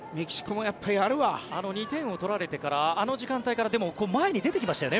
２点を取られてからあの時間帯から前に出てきましたよね。